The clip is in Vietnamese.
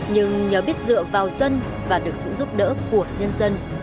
nhưng nhờ biết dựa vào dân và được sự giúp đỡ của nhân dân